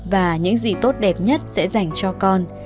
và những gì tốt đẹp nhất sẽ dành cho con